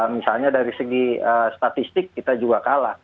misalnya dari segi statistik kita juga kalah